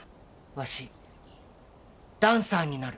わしダンサーになる。